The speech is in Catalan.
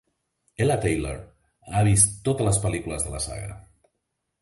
Ella Taylor ha vist totes les pel·lícules de la saga.